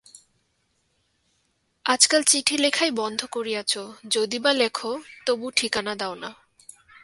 আজকাল চিঠি লেখাই বন্ধ করিয়াছ, যদি-বা লেখ, তবু ঠিকানা দাও না।